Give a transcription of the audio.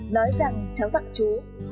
nói rằng cháu tặng chú